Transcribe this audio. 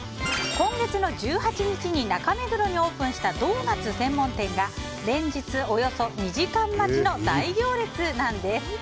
今月の１８日に中目黒にオープンしたドーナツ専門店が連日、およそ２時間待ちの大行列なんです。